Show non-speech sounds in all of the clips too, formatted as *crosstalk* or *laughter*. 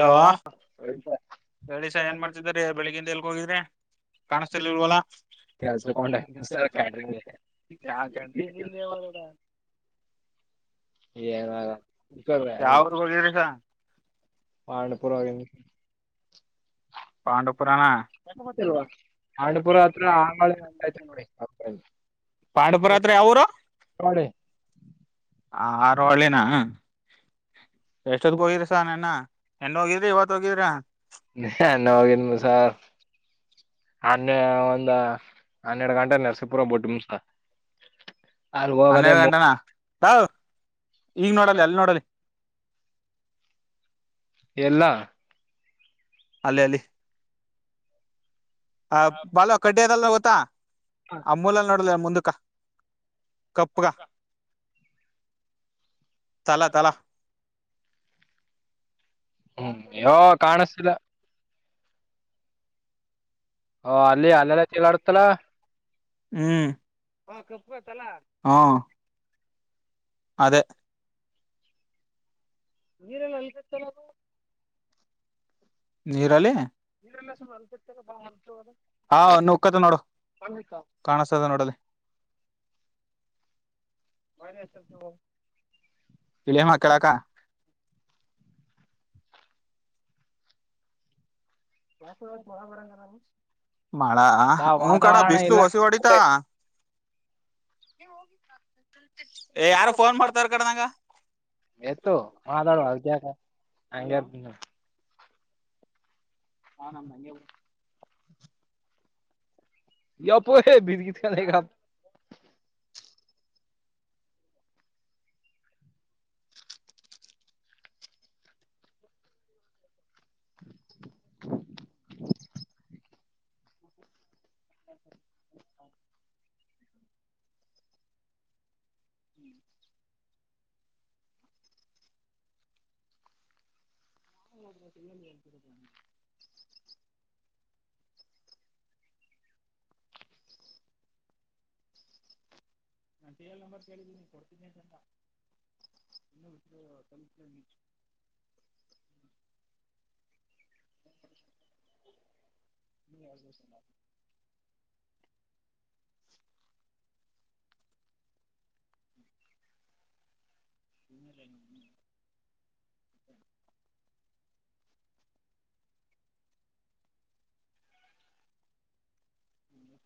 Hello ಹೇಳಿ sir ಏನ್ ಮಾಡ್ತಿತಿದ್ದೀರಿ ಬೆಳಗಿಂದ ಎಲ್ಗ ಹೋಗಿರಿ ಕಾಣಿಸತಿರ್ಲಿಲ್ಲಲ್ವಲ್ಲ. ಕೆಲಸಕ್ಕ ಹೊಂಟಿನ್ರಿ ಸರ್ ಕ್ಯಾಟರಿಂಗ್ಗೆ *unintelligible* ಯಾವ ಊರ್ಗ್ ಹೋಗಿದ್ರಸ ಪಾಂಡ್ಪುರ್ ಹೋಗಿನ್ ಪಾಂಡಪುರ ನಾ ಪಾಂಡಪುರ ಹತ್ರ ಯಾವೂರು? ಆರು ಒಳ್ಳಿನ. ಎಷ್ಟೊತ್ ಹೋಗಿರಿ ಸ ನಿನ್ನೆ. ನಿನ್ನೆ ಹೋಗಿದ್ರಿ ಇವತ್ ಹೋಗಿದ್ರ. ನಿ *unintelligible* ಅನ್ನ ಒಂದ. ಹನ್ನೆರಡು ಗಂಟೆ ನರಸೀಪುರ ಬೊಟ್ಟು ಮುಮಸ. ಹನ್ನೆರಡು ಗಂಟೆನಾ. ತಾವ್ ಈಗ್ ನೋಡಲ್ಲ ಅಲ್ಲಿ ನೋಡಲಿ. ಎಲ್ಲ ಅಲ್ಲಿ ಅಲ್ಲಿ ಆ ಬಾಲ್ವ ಕಡ್ಡಡಿ ಅದಲ್ ಗೊತ್ತ ಆ ಮೂಲಲ್ ನೋಡುದ ಮುಂದಕ್ಕ. ಕಪ್ಪಗ ತಲ ತಲ ಹ್ಮ್ ಇವಾಗ್ ಕಾಣಿಸತಿಲ್ಲ. ಹ ಅಲ್ಲಿ ಅಲ್ಲೆಲ್ಲ ತಿಲಾಡುತ್ತಲ. ಹ್ಮ್ ಹಾ ಕಪ್ಪ ತಲ್ಲ ಹಾ ಅದೇ ನೀರೆಲ್ಲ ಅಲ್ಲಿತ್ *unintelligible* ನೀರಲ್ಲಿ *unintelligible* ಹಾ ನಕ್ಕತ ನೋಡು ಕಾಣಸ್ತದ ನೋಡಲ್ಲಿ *unintelligible* ಇಲ್ಲಿಯಮ ಕೆಳಾಕ. ಮಾಳ ಹೂ ಕಣ ಬಿಿಸಲು ಹೊಸಿ ವಡಿತ ನೀ ಹೋಗಿತ *unintelligible* ಹೇ ಯಾರು ಫೋನ್ ಮಾಡ್ತಾರ ಕಡೆ ನಂಗ ಹ ನಮ್ಮ *unintelligible* ಯಪ್ಪೋ ಬಿಡಿಗಿದಿಗ್ *unintelligible* *unintelligible* *unintelligible* ಹ್ಮ್ *unintelligible* ರಿಯಲ್ ನಂಬರ್ ಕೇಳಿದೆ ಕೊಡ್ತೀನಿ ಅಂತ ಅಂದ. ಹ ಹ್ಮ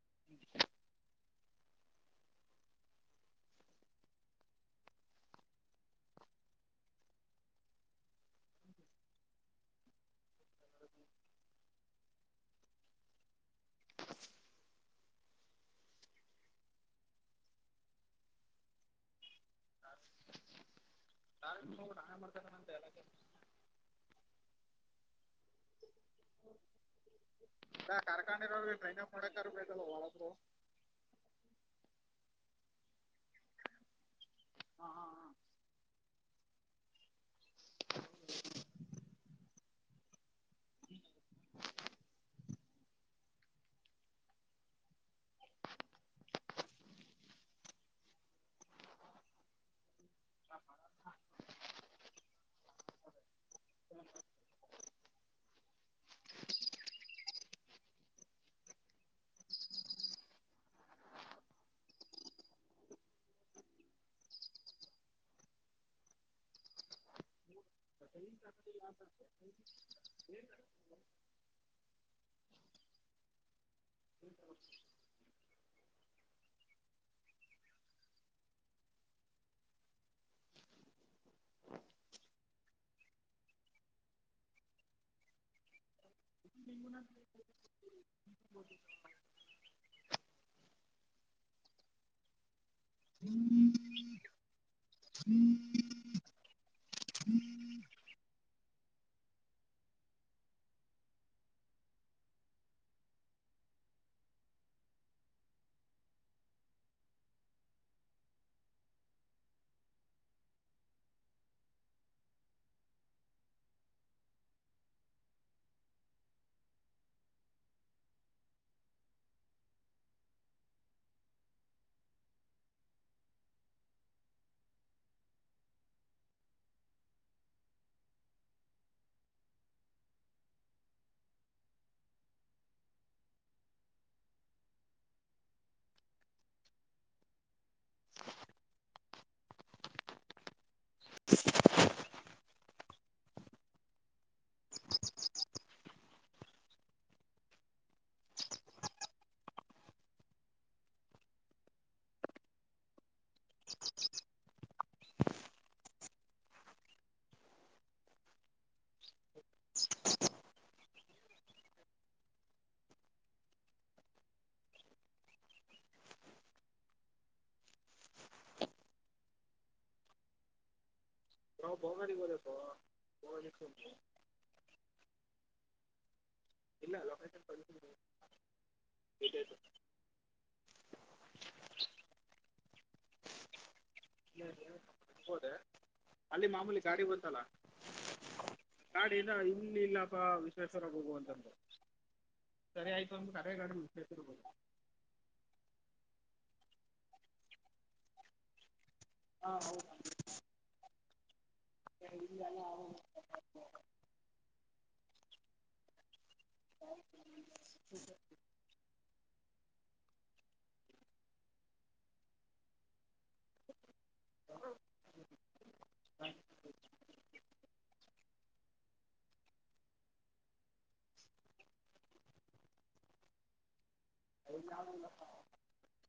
*inaudible* ಹ ನಾನ ಮಾಡ್ತಾರೆಂತ ಎಲ್ಲ ಹ ಕಾರಾರ್ಖಾನೆ ಮನ ಮೋಡಕಾರಪ ತಲ್ಲ ವಳಪರ. ಹಾ *unintelligible* *unintelligible* *unintelligible* ಹ್ಮ ಹ *inaudible* *inaudible* *inaudible* *inaudible* *inaudible* *unintelligible* ಬ್ರೋ ಬಹಮಡಿ ಬ್ರೋ ಇಲ್ಲ ಲೊಕೇಶನ್ ಇಲ್ಲ ಹೋದೆ ಅಲ್ಲಿ ಮಾಮೂಲಿ ಗಾಡಿ ಗೊಂತಲ್ಲ ಗಾಡಿಂದ ಇನ್ನ ಇಲ್ಲಪ್ಪ ವಿಶ್ವೇಶ್ವರ ಹೋಗುವ ಅಂತಂದ ಸರಿ ಆಯ್ತು ಅಂದು ಅರೆೇ ಗಾಡಿ ವಿಶ್ವೇಶ್ವರ ಹೋಗ ಹಾ ಹೌದ ಅಣ್ಣ *inaudible* *inaudible* *inaudible* *unintelligible*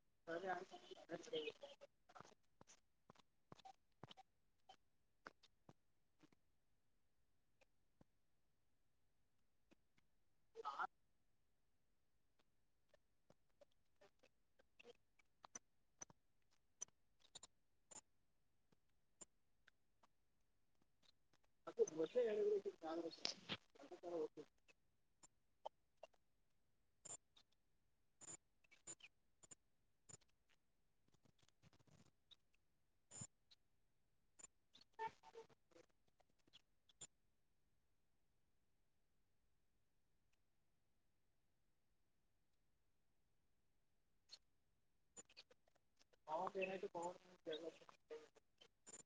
*inaudible* ಹ *inaudible* *inaudible*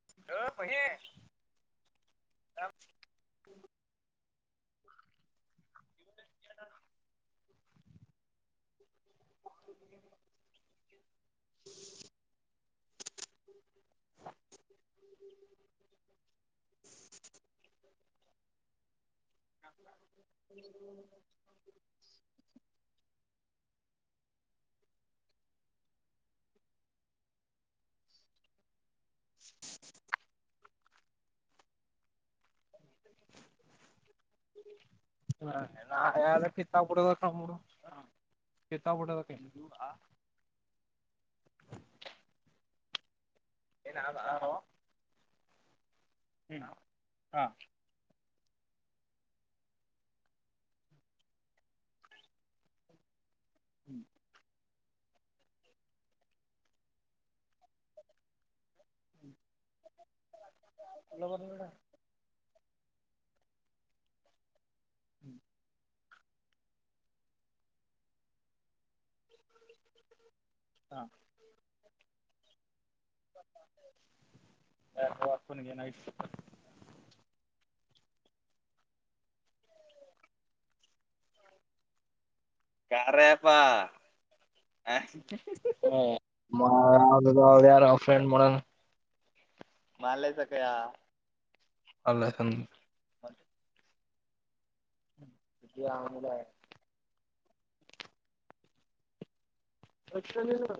*inaudible* *inaudible* *inaudible* *inaudible* ಏನ ಆದ ಹ್ಮ್ ಹಾ ಹ್ಮ್ *inaudible* ಹ್ಮ ಹ *inaudible* *inaudible* *inaudible* ಅಚ್ಕಂಡಿನ ನಾ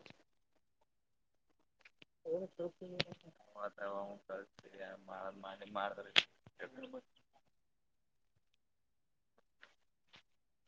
*inaudible*